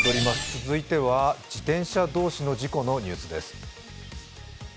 続いては自転車同士の事故のニュースです。